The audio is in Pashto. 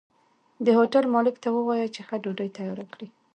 د هوټل مالک ته ووايه چې ښه ډوډۍ تياره کړي